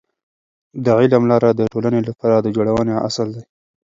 د علم لاره د ټولنې لپاره د جوړونې اصل دی.